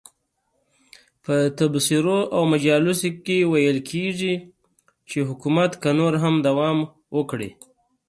په تبصرو او مجالسو کې ویل کېږي چې حکومت که نور هم دوام وکړي.